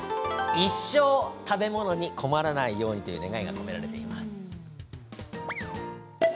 一生食べ物に困らないようにという願いが込められています。